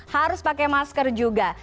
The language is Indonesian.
harus pakai masker juga